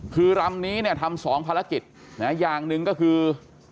คือรำนี้เนี่ยทำ๒ภารกิจอย่างหนึ่งก็คือ